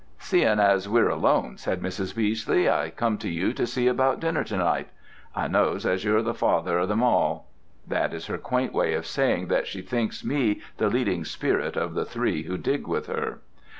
"Seeing as we're alone," said Mrs. Beesley, "I come to you to see about dinner to night. I knows as you're the father of 'em all." (That is her quaint way of saying that she thinks me the leading spirit of the three who dig with her.)